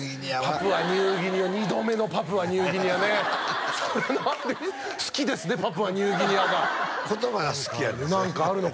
パプアニューギニア二度目のパプアニューギニアねそれ何で好きですねパプアニューギニアが言葉が好きやねん何かあるのかな？